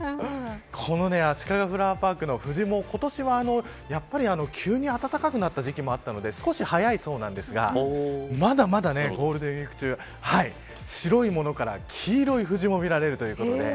この、あしかがフラワーパークの藤も今年は急に暖かくなった時期もあったので少し早いそうなんですがまだまだゴールデンウイーク中白いものから黄色い藤も見られるということで。